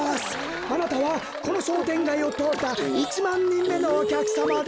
あなたはこのしょうてんがいをとおった１まんにんめのおきゃくさまです！